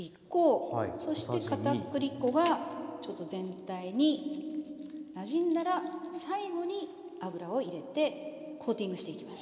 そして片栗粉がちょっと全体になじんだら最後に油を入れてコーティングしていきます。